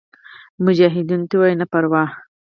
مجاهدینو ته ووایه نه پروا.